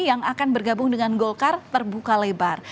yang akan bergabung dengan golkar terbuka lebar